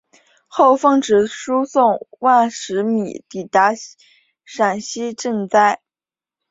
后奉旨输送万石米抵达陕西赈灾。